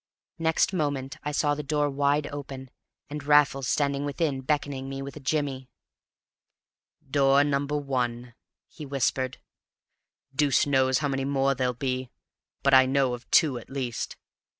Next moment I saw the door wide open, and Raffles standing within and beckoning me with a jimmy. "Door number one," he whispered. "Deuce knows how many more there'll be, but I know of two at least.